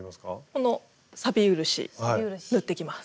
この漆塗っていきます。